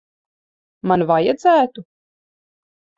Man vajadzētu?